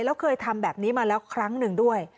แล้วเคยทำแบบนี้มาแล้วครั้งหนึ่งด้วย